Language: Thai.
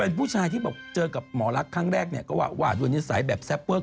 เป็นผู้ชายที่บอกเจอกับหมอลักษณ์ครั้งแรกเนี่ยก็ว่าด้วยนิสัยแบบแซเปอร์